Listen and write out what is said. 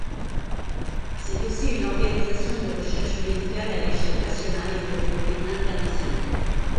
C'est aussi une organisation de recherche médicale à l'échelle nationale et de renommée internationale.